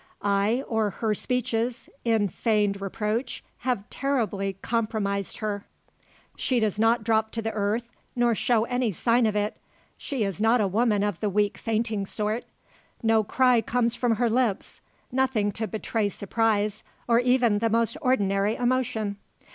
I or her speeches, in feigned reproach, have terribly compromised her. She does not drop to the earth, nor show any sign of it. She is not a woman of the weak fainting sort. No cry comes from her lips nothing to betray surprise, or even the most ordinary emotion.